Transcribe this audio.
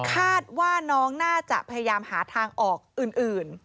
คาดว่าน้องน่าจะพยายามหาทางออกอื่น